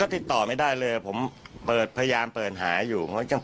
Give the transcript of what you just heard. ติดต่อไม่ได้เลยผมเปิดพยายามเปิดหาอยู่เพราะก็ยัง